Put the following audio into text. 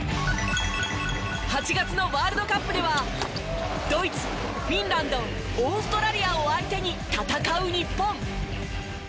８月のワールドカップではドイツフィンランドオーストラリアを相手に戦う日本。